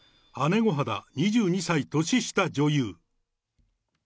姉御肌、２２歳年下女優。